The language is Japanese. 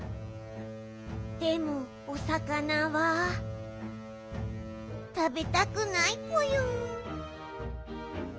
でもおさかなはたべたくないぽよん。